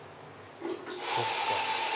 そっか。